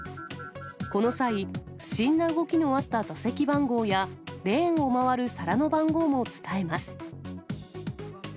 この際、不審な動きのあった座席番号や、レーンを回る皿の番号も伝えます。